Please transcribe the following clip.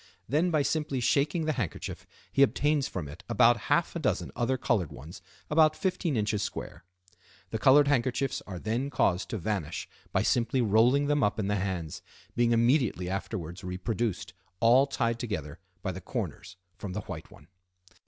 Then by simply shaking the handkerchief he obtains from it about half a dozen other colored ones about 15 in. square. The colored handkerchiefs are then caused to vanish by simply rolling them up in the hands, being immediately afterwards reproduced, all tied together by the corners, from the white one.